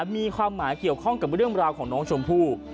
มีความหมายเกี่ยวข้องกับเรื่องราวของน้องชมพู่